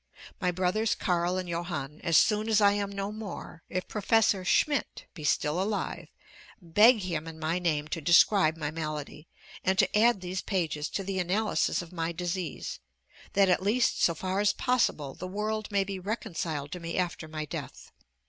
My brothers Carl and Johann, as soon as I am no more, if Professor Schmidt be still alive, beg him in my name to describe my malady, and to add these pages to the analysis of my disease, that at least, so far as possible, the world may be reconciled to me after my death.